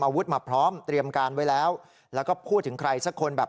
อาวุธมาพร้อมเตรียมการไว้แล้วแล้วก็พูดถึงใครสักคนแบบ